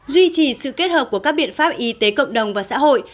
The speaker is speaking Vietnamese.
duy trì sự kết hợp của các biện pháp y tế cộng đồng và xã hội